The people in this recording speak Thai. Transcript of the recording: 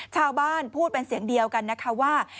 ชาวบ้านพูดเป็นเสียงเดียวกันนะคะว่า